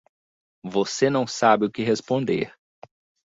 Você não sabe o que responder.